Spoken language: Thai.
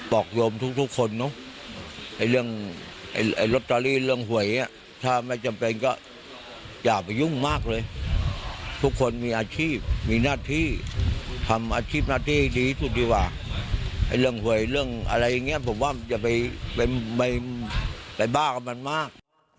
กรมทุกคนเนอะไอ้เรื่องลอตเตอรี่เรื่องหวยถ้าไม่จำเป็นก็อย่าไปยุ่งมากเลยทุกคนมีอาชีพมีหน้าที่ทำอาชีพหน้าที่ดีที่สุดดีกว่าเรื่องหวยเรื่องอะไรอย่างนี้ผมว่าอย่าไปบ้ากับมันมาก